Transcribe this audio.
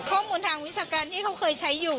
ข้อมูลทางวิชาการที่เขาเคยใช้อยู่